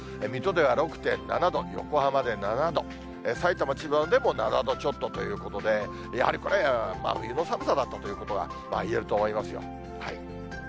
水戸では６．７度、横浜で７度、さいたま、千葉でも７度ちょっとということで、やはりこれ、真冬の寒さだったということはいえると思いますよ。